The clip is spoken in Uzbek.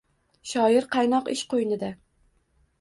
Shoir qaynoq ish qo’ynida